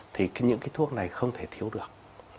thì những cái thuốc này không thể thiếu được